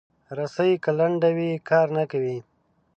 رسۍ که لنډه وي، کار نه کوي.